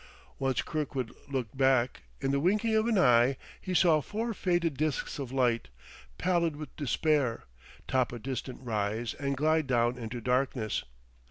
Once Kirkwood looked back; in the winking of an eye he saw four faded disks of light, pallid with despair, top a distant rise and glide down into darkness.